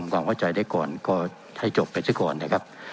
ต้องกลับเข้าใจได้ก่อนก็ให้จบไปเถอะก่อนนะครับ